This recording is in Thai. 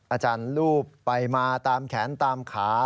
อาจารย์ลูบไปมาตามแขนตามขา